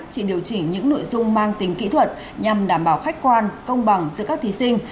chỉ điều chỉnh những nội dung mang tính kỹ thuật nhằm đảm bảo khách quan công bằng giữa các thí sinh